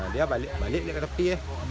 dia balik ke tepi